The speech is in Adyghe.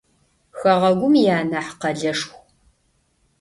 Хэгъэгум ианахь къэлэшху.